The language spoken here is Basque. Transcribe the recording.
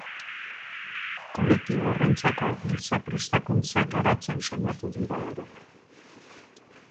Kolektibo horrentzako giza prestakuntzak garatzen saiatuko dira ere.